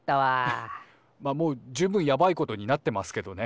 いやもう十分やばいことになってますけどね。